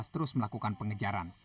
terus melakukan pengejaran